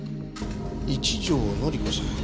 一条典子さん。